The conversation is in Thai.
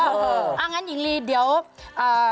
อย่างนั้นหญิงลีเดี๋ยวเอ่อ